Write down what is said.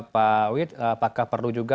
pak wit apakah perlu juga